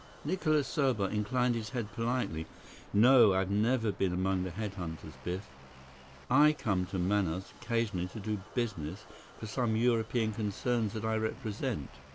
Nicholas Serbot inclined his head politely. "No, I have never been among the head hunters, Biff. I come to Manaus occasionally to do business for some European concerns that I represent.